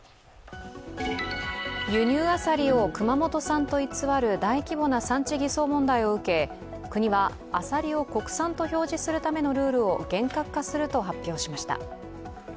輸入アサリを熊本産と偽る大規模な産地偽装問題を受け国はアサリを国産と表示するためのルールを厳格化すると発表しました。